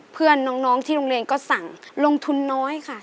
เพื่อนน้องที่โรงเรียนก็สั่งลงทุนน้อยค่ะ